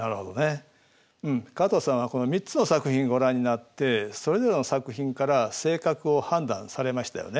加藤さんはこの３つの作品ご覧になってそれぞれの作品から性格を判断されましたよね。